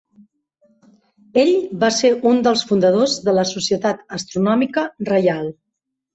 Ell va ser un dels fundadors de la Societat Astronòmica Reial.